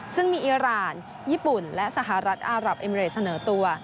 ซึ่งมีอิราณญี่ปุ่นและสหรัฐอารับเอมเรดเสนอตัว